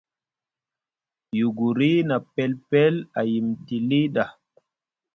Yuguri na pelpel a yimiti lii ɗa.